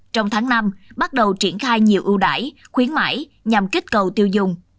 trong tháng năm bắt đầu triển khai nhiều ưu đải khuyến mãi nhằm kích cầu tiêu dùng